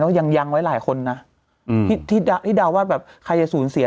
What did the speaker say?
แล้วยังยังไว้หลายคนนะที่เดาว่าแบบใครจะสูญเสีย